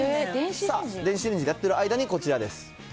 電子レンジでやってる間にこちらです。